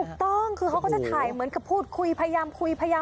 ถูกต้องคือเขาก็จะถ่ายเหมือนกับพูดคุยพยายามคุยพยายาม